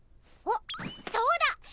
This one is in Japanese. おっそうだ